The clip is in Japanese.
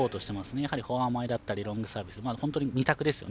やはりフォア前だったりロングサービス、２択ですよね。